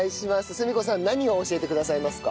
清子さん何を教えてくださいますか？